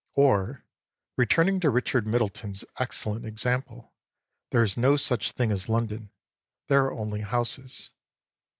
Or, returning to Richard Middleton's excellent example: there is no such thing as London, there are only houses.